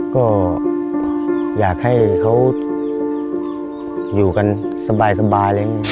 ก็อยากให้เขาอยู่กันสบายเลย